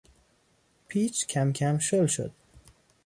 پیچ کمکم شل شد.